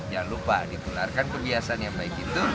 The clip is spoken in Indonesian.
jangan lupa ditularkan kebiasaan yang baik itu